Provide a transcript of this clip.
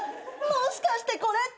もしかしてこれって。